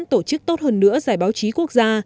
tổ chức tốt hơn nữa giải báo chí quốc gia